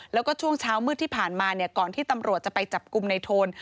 แล้วก็ช่วงเช้ามืดที่ผ่านมาก่อนที่ตำรวจจะไปจับกลุ่มในโทน